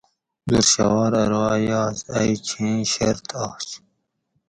دُرشھوار ارو ایاز ائ چھیں شرط آش